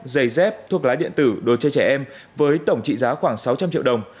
giày dép thuốc lá điện tử đồ chơi trẻ em với tổng trị giá khoảng sáu trăm linh triệu đồng